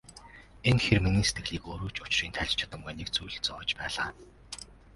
Энэ хэр миний сэтгэлийг өөрөө ч учрыг тайлж чадамгүй нэг л зүйл зовоож байлаа.